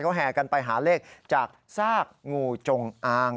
เขาแห่กันไปหาเลขจากซากงูจงอาง